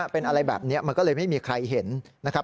เป็นอะไรแบบนี้มันก็เลยไม่มีใครเห็นนะครับ